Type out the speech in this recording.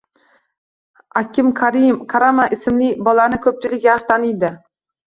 Akim Kamara ismli bolani ko‘pchilik yaxshi taniydi.